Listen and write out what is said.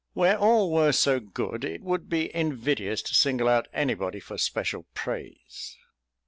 _ "Where all were so good it would be invidious to single out anybody for special praise."